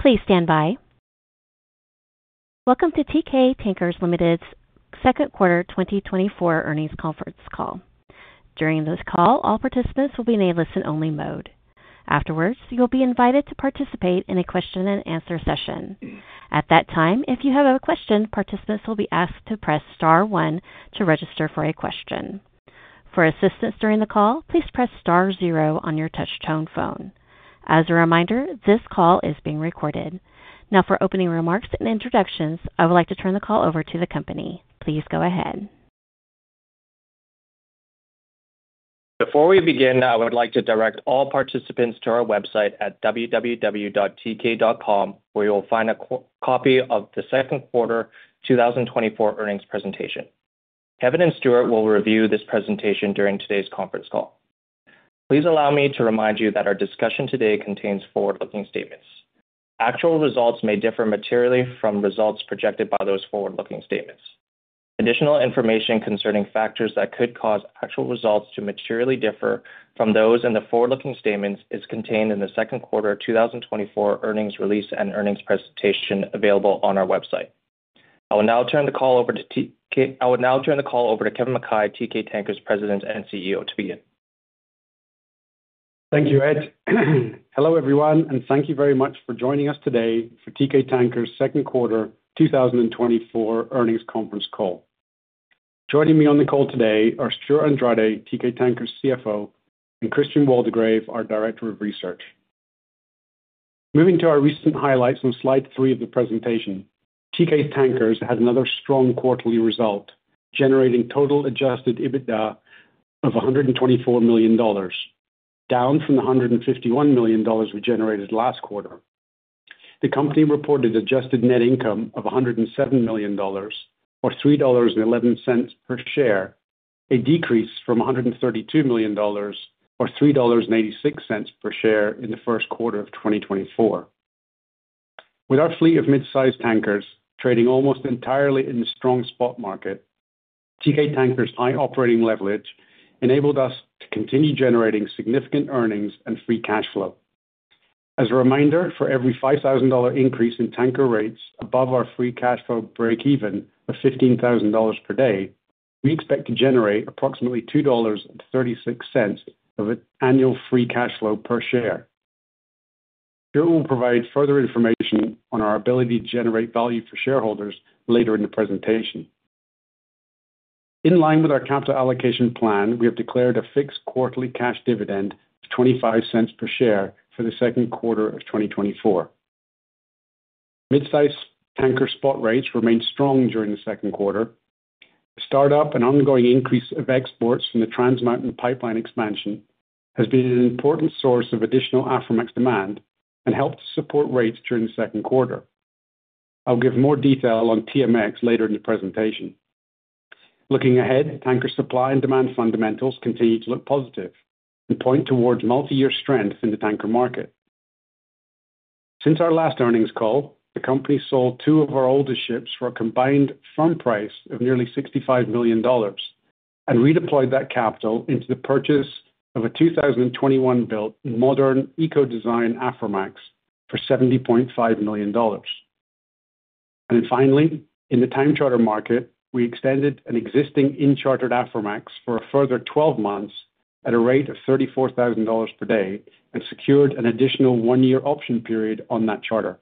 Please stand by. Welcome to Teekay Tankers Ltd.'s Second Quarter 2024 Earnings Conference Call. During this call, all participants will be in a listen-only mode. Afterwards, you'll be invited to participate in a question-and-answer session. At that time, if you have a question, participants will be asked to press star one to register for a question. For assistance during the call, please press star zero on your touch-tone phone. As a reminder, this call is being recorded. Now, for opening remarks and introductions, I would like to turn the call over to the company. Please go ahead. Before we begin, I would like to direct all participants to our website at www.teekay.com, where you'll find a copy of the second quarter 2024 earnings presentation. Kevin and Stewart will review this presentation during today's conference call. Please allow me to remind you that our discussion today contains forward-looking statements. Actual results may differ materially from results projected by those forward-looking statements. Additional information concerning factors that could cause actual results to materially differ from those in the forward-looking statements is contained in the second quarter 2024 earnings release and earnings presentation available on our website. I will now turn the call over to Kevin Mackay, Teekay Tankers' president and CEO, to begin. Thank you, Ed. Hello, everyone, and thank you very much for joining us today for Teekay Tankers' Second Quarter 2024 Earnings Conference Call. Joining me on the call today are Stewart Andrade, Teekay Tankers' CFO, and Christian Waldegrave, our Director of Research. Moving to our recent highlights on slide three of the presentation, Teekay Tankers had another strong quarterly result, generating total adjusted EBITDA of $124 million, down from the $151 million we generated last quarter. The company reported adjusted net income of $107 million, or $3.11 per share, a decrease from $132 million, or $3.86 per share in the first quarter of 2024. With our fleet of mid-sized tankers trading almost entirely in the strong spot market, Teekay Tankers' high operating leverage enabled us to continue generating significant earnings and free cash flow. As a reminder, for every $5,000 increase in tanker rates above our free cash flow breakeven of $15,000 per day, we expect to generate approximately $2.36 of annual free cash flow per share. Stewart will provide further information on our ability to generate value for shareholders later in the presentation. In line with our capital allocation plan, we have declared a fixed quarterly cash dividend of $0.25 per share for the second quarter of 2024. Mid-sized tanker spot rates remained strong during the second quarter. The startup and ongoing increase of exports from the Trans Mountain Pipeline expansion has been an important source of additional Aframax demand and helped to support rates during the second quarter. I'll give more detail on TMX later in the presentation. Looking ahead, tanker supply and demand fundamentals continue to look positive and point towards multi-year strength in the tanker market. Since our last earnings call, the company sold two of our older ships for a combined firm price of nearly $65 million and redeployed that capital into the purchase of a 2021-built modern eco-design Aframax for $70.5 million. Finally, in the time charter market, we extended an existing in-chartered Aframax for a further 12 months at a rate of $34,000 per day and secured an additional 1-year option period on that charter,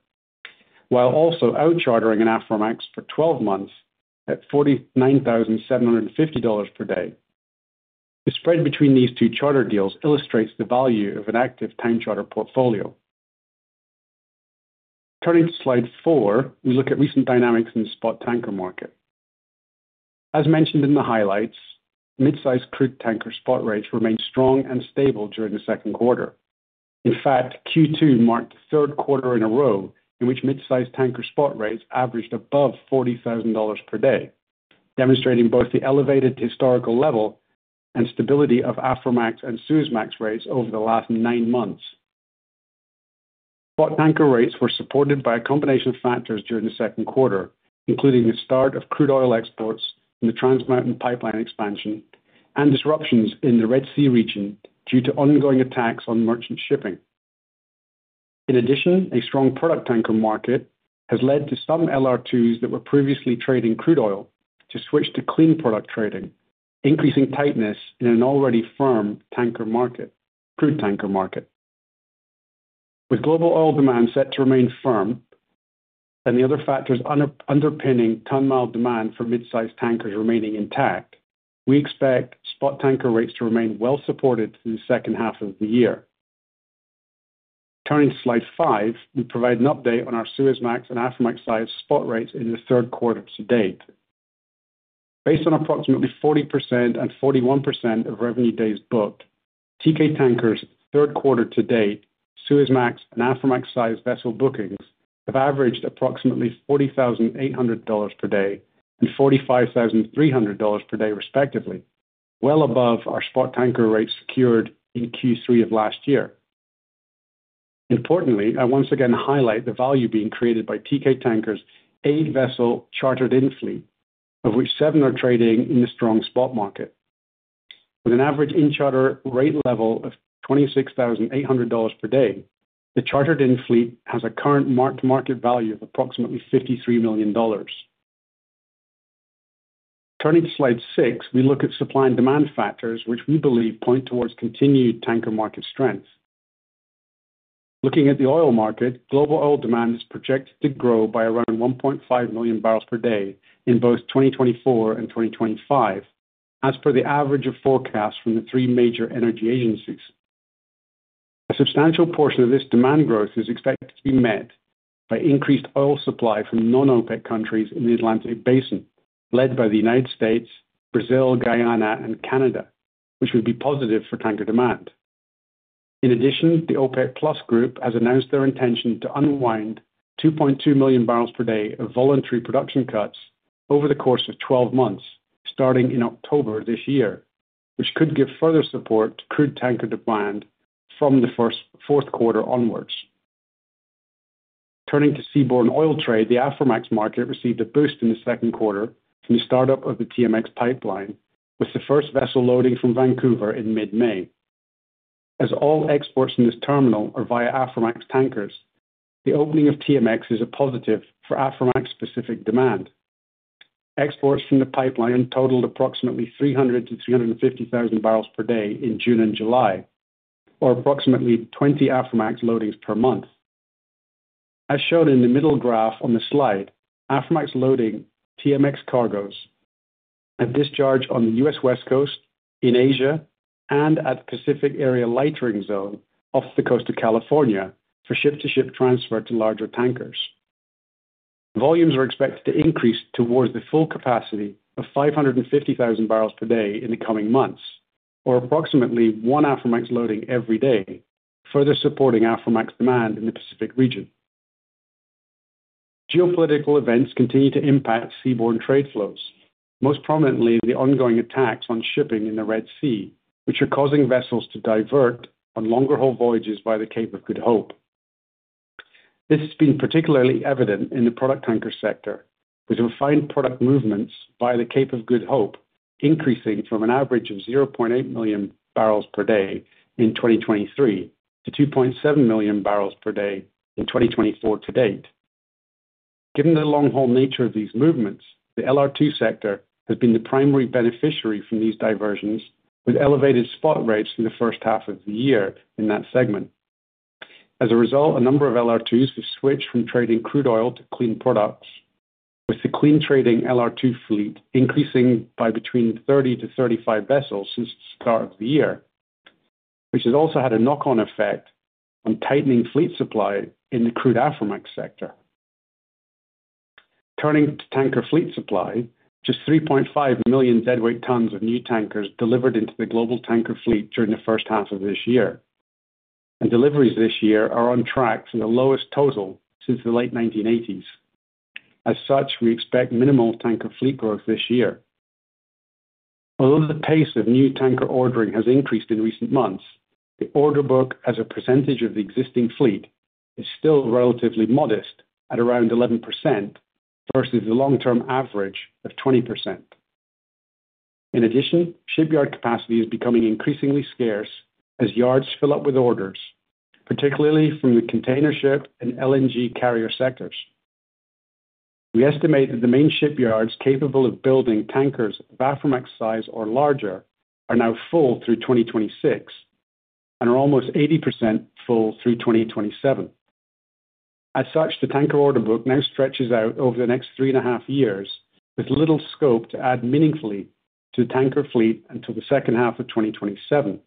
while also out-chartering an Aframax for 12 months at $49,750 per day. The spread between these two charter deals illustrates the value of an active time charter portfolio. Turning to slide four, we look at recent dynamics in the spot tanker market. As mentioned in the highlights, mid-sized crude tanker spot rates remained strong and stable during the second quarter. In fact, Q2 marked the third quarter in a row in which mid-sized tanker spot rates averaged above $40,000 per day, demonstrating both the elevated historical level and stability of Aframax and Suezmax rates over the last nine months. Spot tanker rates were supported by a combination of factors during the second quarter, including the start of crude oil exports from the Trans Mountain Pipeline expansion and disruptions in the Red Sea region due to ongoing attacks on merchant shipping. In addition, a strong product tanker market has led to some LR2s that were previously trading crude oil to switch to clean product trading, increasing tightness in an already firm tanker market, crude tanker market. With global oil demand set to remain firm and the other factors underpinning ton-mile demand for mid-sized tankers remaining intact, we expect spot tanker rates to remain well-supported through the second half of the year. Turning to slide five, we provide an update on our Suezmax and Aframax-sized spot rates in the third quarter to date. Based on approximately 40% and 41% of revenue days booked, Teekay Tankers' third quarter to date, Suezmax, and Aframax-sized vessel bookings have averaged approximately $40,800 per day and $45,300 per day, respectively, well above our spot tanker rates secured in Q3 of last year. Importantly, I once again highlight the value being created by Teekay Tankers' eight vessel chartered infleet, of which seven are trading in the strong spot market. With an average in-charter rate level of $26,800 per day, the chartered infleet has a current mark-to-market value of approximately $53 million. Turning to slide six, we look at supply and demand factors, which we believe point towards continued tanker market strength. Looking at the oil market, global oil demand is projected to grow by around 1.5 million barrels per day in both 2024 and 2025, as per the average of forecasts from the three major energy agencies. A substantial portion of this demand growth is expected to be met by increased oil supply from non-OPEC countries in the Atlantic Basin, led by the United States, Brazil, Guyana, and Canada, which would be positive for tanker demand. In addition, the OPEC+ group has announced their intention to unwind 2.2 million barrels per day of voluntary production cuts over the course of 12 months, starting in October this year, which could give further support to crude tanker demand from the fourth quarter onwards. Turning to seaborne oil trade, the Aframax market received a boost in the second quarter from the startup of the TMX pipeline, with the first vessel loading from Vancouver in mid-May. As all exports from this terminal are via Aframax tankers, the opening of TMX is a positive for Aframax-specific demand. Exports from the pipeline totaled approximately 300,000-350,000 barrels per day in June and July, or approximately 20 Aframax loadings per month. As shown in the middle graph on the slide, Aframax loading TMX cargoes at discharge on the U.S. West Coast, in Asia, and at the Pacific Area Lightering Zone off the coast of California for ship-to-ship transfer to larger tankers. Volumes are expected to increase towards the full capacity of 550,000 barrels per day in the coming months, or approximately one Aframax loading every day, further supporting Aframax demand in the Pacific region. Geopolitical events continue to impact seaborne trade flows, most prominently the ongoing attacks on shipping in the Red Sea, which are causing vessels to divert on longer-haul voyages by the Cape of Good Hope. This has been particularly evident in the product tanker sector, with refined product movements via the Cape of Good Hope increasing from an average of 0.8 million barrels per day in 2023 to 2.7 million barrels per day in 2024 to date. Given the long-haul nature of these movements, the LR2 sector has been the primary beneficiary from these diversions, with elevated spot rates through the first half of the year in that segment. As a result, a number of LR2s have switched from trading crude oil to clean products, with the clean trading LR2 fleet increasing by between 30-35 vessels since the start of the year, which has also had a knock-on effect on tightening fleet supply in the crude Aframax sector. Turning to tanker fleet supply, just 3.5 million deadweight tons of new tankers delivered into the global tanker fleet during the first half of this year, and deliveries this year are on track for the lowest total since the late 1980s. As such, we expect minimal tanker fleet growth this year. Although the pace of new tanker ordering has increased in recent months, the order book as a percentage of the existing fleet is still relatively modest at around 11% versus the long-term average of 20%. In addition, shipyard capacity is becoming increasingly scarce as yards fill up with orders, particularly from the container ship and LNG carrier sectors. We estimate that the main shipyards capable of building tankers of Aframax size or larger are now full through 2026 and are almost 80% full through 2027. As such, the tanker order book now stretches out over the next three and a half years, with little scope to add meaningfully to the tanker fleet until the second half of 2027,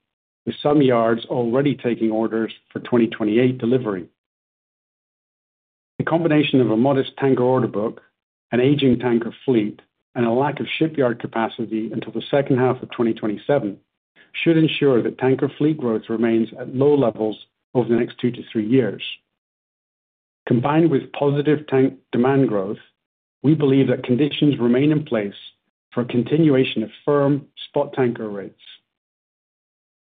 with some yards already taking orders for 2028 delivery. The combination of a modest tanker order book, an aging tanker fleet, and a lack of shipyard capacity until the second half of 2027 should ensure that tanker fleet growth remains at low levels over the next two to three years. Combined with positive tank demand growth, we believe that conditions remain in place for a continuation of firm spot tanker rates.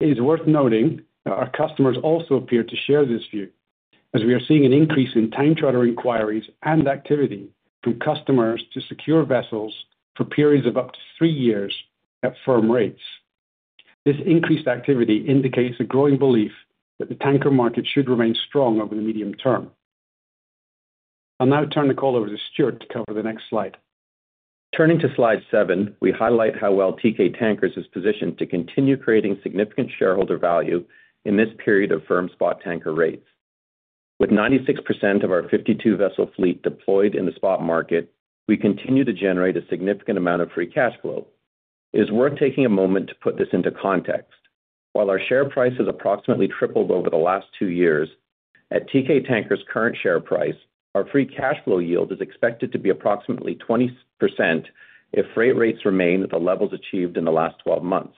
It is worth noting that our customers also appear to share this view, as we are seeing an increase in time charter inquiries and activity from customers to secure vessels for periods of up to three years at firm rates. This increased activity indicates a growing belief that the tanker market should remain strong over the medium term. I'll now turn the call over to Stewart to cover the next slide. Turning to slide seven, we highlight how well Teekay Tankers is positioned to continue creating significant shareholder value in this period of firm spot tanker rates. With 96% of our 52-vessel fleet deployed in the spot market, we continue to generate a significant amount of free cash flow. It is worth taking a moment to put this into context. While our share price has approximately tripled over the last 2 years, at Teekay Tankers' current share price, our free cash flow yield is expected to be approximately 20% if freight rates remain at the levels achieved in the last 12 months.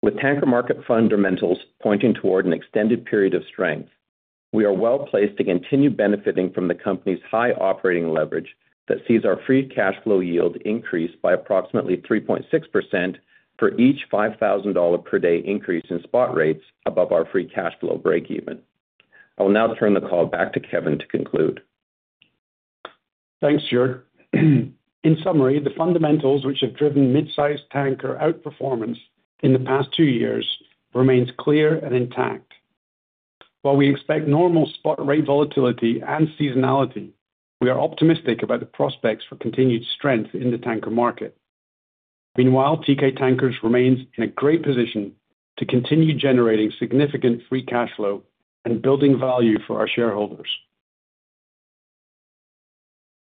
With tanker market fundamentals pointing toward an extended period of strength, we are well placed to continue benefiting from the company's high operating leverage that sees our free cash flow yield increase by approximately 3.6% for each $5,000 per day increase in spot rates above our free cash flow breakeven. I will now turn the call back to Kevin to conclude. Thanks, Stewart. In summary, the fundamentals which have driven mid-sized tanker outperformance in the past two years remain clear and intact. While we expect normal spot rate volatility and seasonality, we are optimistic about the prospects for continued strength in the tanker market. Meanwhile, Teekay Tankers remains in a great position to continue generating significant free cash flow and building value for our shareholders.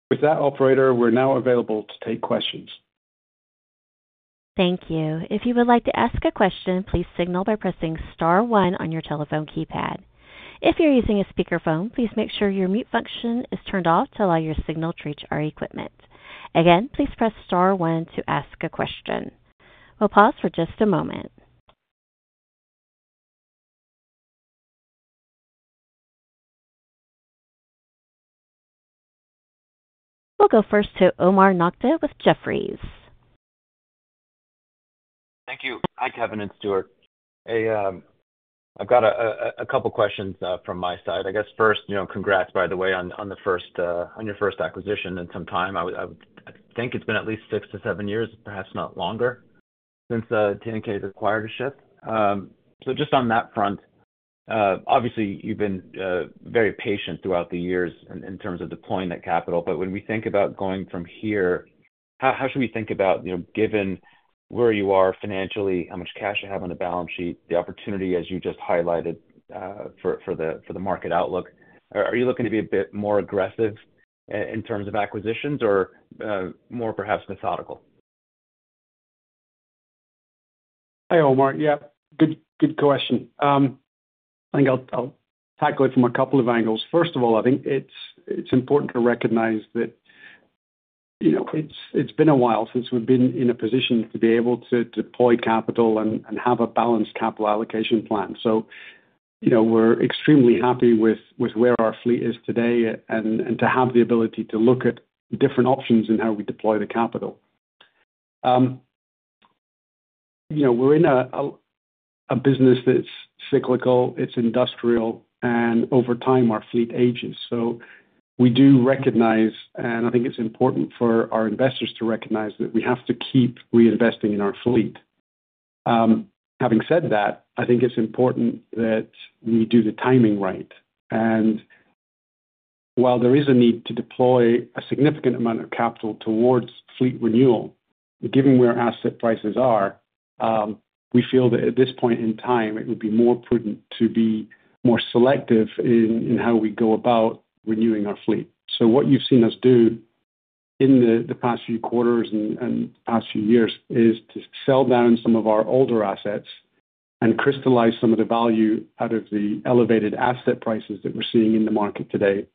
With that, operator, we're now available to take questions. Thank you. If you would like to ask a question, please signal by pressing Star one on your telephone keypad. If you're using a speakerphone, please make sure your mute function is turned off to allow your signal to reach our equipment. Again, please press Star one to ask a question. We'll pause for just a moment. We'll go first to Omar Nokta with Jefferies. Thank you. Hi, Kevin and Stewart. I've got a couple of questions from my side. I guess first, congrats, by the way, on your first acquisition in some time. I think it's been at least six, seven years, perhaps not longer, since TNK acquired the ship. So just on that front, obviously, you've been very patient throughout the years in terms of deploying that capital. But when we think about going from here, how should we think about, given where you are financially, how much cash you have on the balance sheet, the opportunity, as you just highlighted, for the market outlook? Are you looking to be a bit more aggressive in terms of acquisitions or more perhaps methodical? Hi, Omar. Yeah, good question. I think I'll tackle it from a couple of angles. First of all, I think it's important to recognize that it's been a while since we've been in a position to be able to deploy capital and have a balanced capital allocation plan. So we're extremely happy with where our fleet is today and to have the ability to look at different options in how we deploy the capital. We're in a business that's cyclical, it's industrial, and over time, our fleet ages. So we do recognize, and I think it's important for our investors to recognize that we have to keep reinvesting in our fleet. Having said that, I think it's important that we do the timing right. While there is a need to deploy a significant amount of capital towards fleet renewal, given where asset prices are, we feel that at this point in time, it would be more prudent to be more selective in how we go about renewing our fleet. What you've seen us do in the past few quarters and past few years is to sell down some of our older assets and crystallize some of the value out of the elevated asset prices that we're seeing in the market today.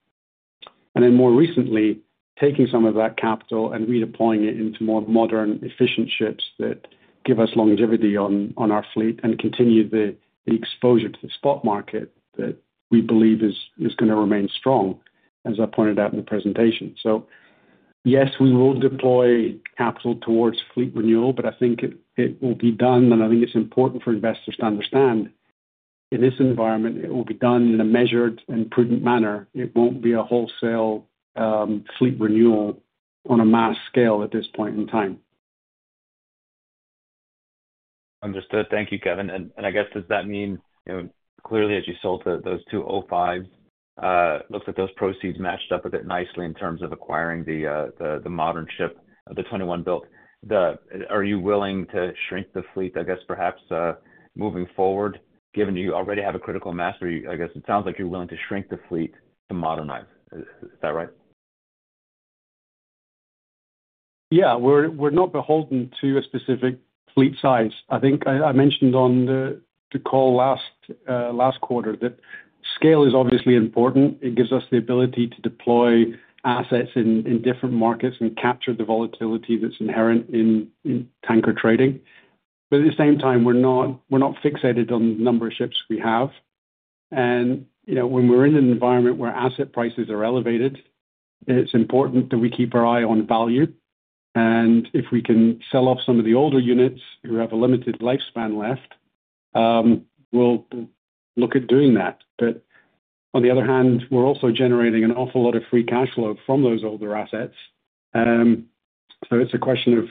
Then more recently, taking some of that capital and redeploying it into more modern, efficient ships that give us longevity on our fleet and continue the exposure to the spot market that we believe is going to remain strong, as I pointed out in the presentation. So yes, we will deploy capital towards fleet renewal, but I think it will be done, and I think it's important for investors to understand in this environment, it will be done in a measured and prudent manner. It won't be a wholesale fleet renewal on a mass scale at this point in time. Understood. Thank you, Kevin. And I guess does that mean clearly, as you sold those two O5s, it looks like those proceeds matched up a bit nicely in terms of acquiring the modern ship, the 21-built. Are you willing to shrink the fleet, I guess, perhaps moving forward, given you already have a critical mass? I guess it sounds like you're willing to shrink the fleet to modernize. Is that right? Yeah. We're not beholden to a specific fleet size. I think I mentioned on the call last quarter that scale is obviously important. It gives us the ability to deploy assets in different markets and capture the volatility that's inherent in tanker trading. But at the same time, we're not fixated on the number of ships we have. And when we're in an environment where asset prices are elevated, it's important that we keep our eye on value. And if we can sell off some of the older units who have a limited lifespan left, we'll look at doing that. But on the other hand, we're also generating an awful lot of free cash flow from those older assets. So it's a question of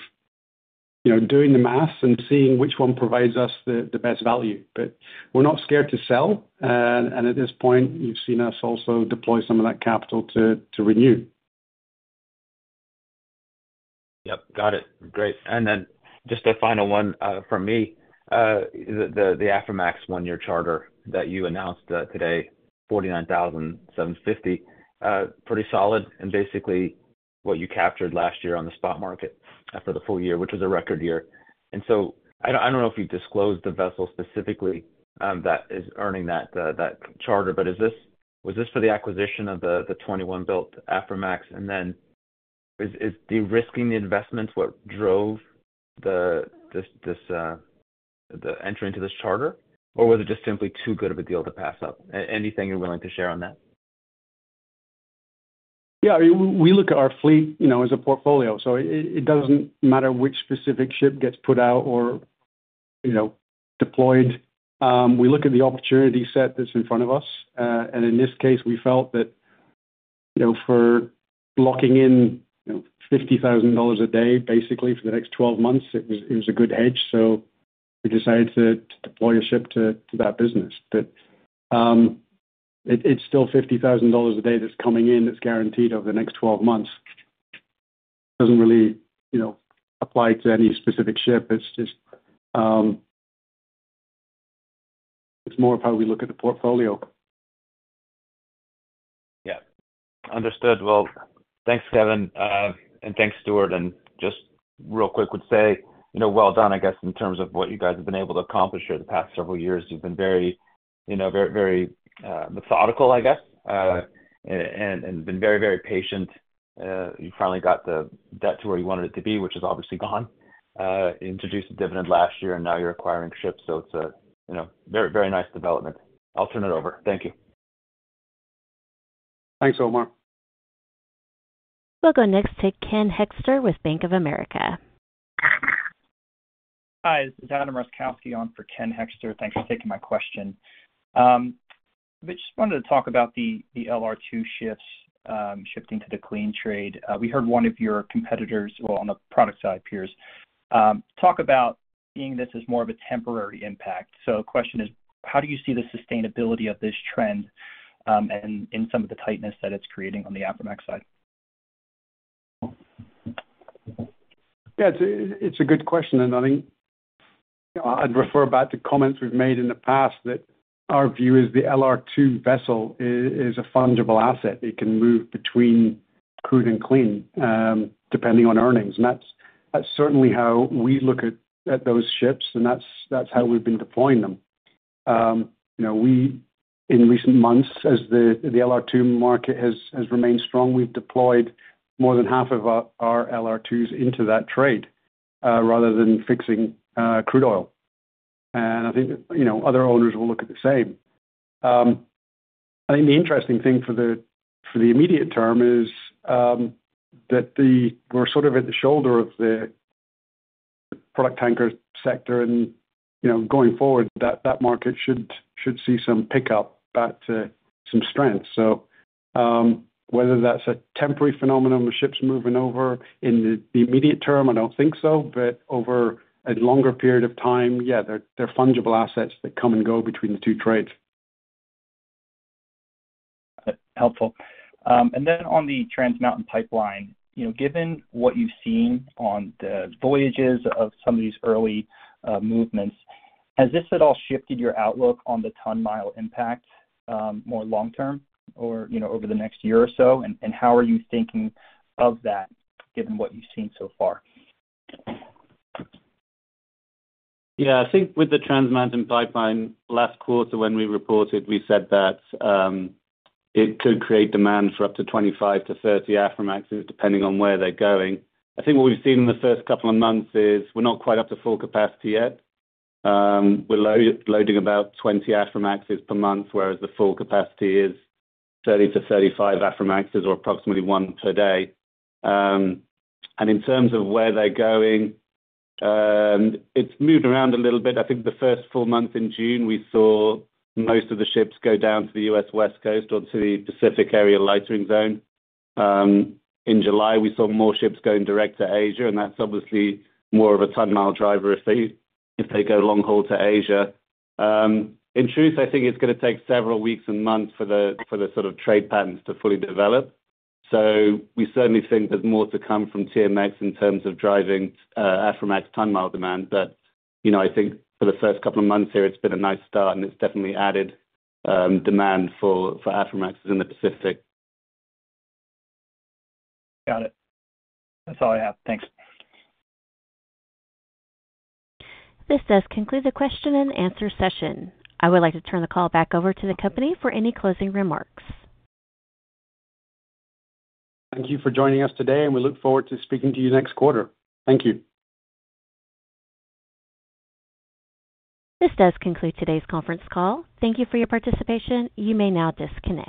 doing the math and seeing which one provides us the best value. But we're not scared to sell. At this point, you've seen us also deploy some of that capital to renew. Yep. Got it. Great. Then just a final one from me. The Aframax one-year charter that you announced today, $49,750, pretty solid and basically what you captured last year on the spot market after the full year, which was a record year. So I don't know if you disclosed the vessel specifically that is earning that charter, but was this for the acquisition of the 2021-built Aframax? And then is the recent investments what drove the entry into this charter, or was it just simply too good of a deal to pass up? Anything you're willing to share on that? Yeah. We look at our fleet as a portfolio. So it doesn't matter which specific ship gets put out or deployed. We look at the opportunity set that's in front of us. And in this case, we felt that for locking in $50,000 a day, basically for the next 12 months, it was a good hedge. So we decided to deploy a ship to that business. But it's still $50,000 a day that's coming in that's guaranteed over the next 12 months. Doesn't really apply to any specific ship. It's more of how we look at the portfolio. Yeah. Understood. Well, thanks, Kevin. And thanks, Stewart. And just real quick, I would say well done, I guess, in terms of what you guys have been able to accomplish here the past several years. You've been very methodical, I guess, and been very, very patient. You finally got the debt to where you wanted it to be, which is obviously gone. Introduced a dividend last year, and now you're acquiring ships. So it's a very nice development. I'll turn it over. Thank you. Thanks, Omar. We'll go next toKen Hoexter with Bank of America. Hi. This is Adam Roszkowski on for Ken Hoexter. Thanks for taking my question. I just wanted to talk about the LR2 shifts shifting to the clean trade. We heard one of your competitors, well, on the product side, peers, talk about seeing this as more of a temporary impact. So the question is, how do you see the sustainability of this trend and some of the tightness that it's creating on the Aframax side? Yeah. It's a good question. I think I'd refer back to comments we've made in the past that our view is the LR2 vessel is a fungible asset. It can move between crude and clean depending on earnings. That's certainly how we look at those ships, and that's how we've been deploying them. In recent months, as the LR2 market has remained strong, we've deployed more than half of our LR2s into that trade rather than fixing crude oil. I think other owners will look at the same. I think the interesting thing for the immediate term is that we're sort of at the shoulder of the product tanker sector. Going forward, that market should see some pickup, some strength. Whether that's a temporary phenomenon with ships moving over in the immediate term, I don't think so. But over a longer period of time, yeah, they're fungible assets that come and go between the two trades. Helpful. And then on the Trans Mountain Pipeline, given what you've seen on the voyages of some of these early movements, has this at all shifted your outlook on the ton-mile impact more long-term or over the next year or so? And how are you thinking of that, given what you've seen so far? Yeah. I think with the Trans Mountain Pipeline, last quarter, when we reported, we said that it could create demand for up to 25-30 Aframaxes, depending on where they're going. I think what we've seen in the first couple of months is we're not quite up to full capacity yet. We're loading about 20 Aframaxes per month, whereas the full capacity is 30-35 Aframaxes or approximately one per day. And in terms of where they're going, it's moved around a little bit. I think the first full month in June, we saw most of the ships go down to the U.S. West Coast or to thePacific Area Lightering Zone. In July, we saw more ships going direct to Asia. And that's obviously more of a ton-mile driver if they go long haul to Asia. In truth, I think it's going to take several weeks and months for the sort of trade patterns to fully develop. So we certainly think there's more to come from TMX in terms of driving Aframax ton-mile demand. But I think for the first couple of months here, it's been a nice start, and it's definitely added demand for Aframaxes in the Pacific. Got it. That's all I have. Thanks. This does conclude the question and answer session. I would like to turn the call back over to the company for any closing remarks. Thank you for joining us today, and we look forward to speaking to you next quarter. Thank you. This does conclude today's conference call. Thank you for your participation. You may now disconnect.